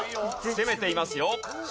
攻めていますよ。